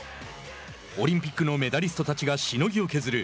オリンピックのメダリストたちがしのぎを削る